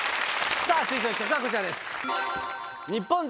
さぁ続いての企画はこちらです。